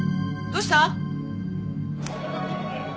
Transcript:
どうした？